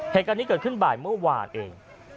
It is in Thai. เหตุการณ์นี้เกิดขึ้นบ่ายเมื่อวานเอง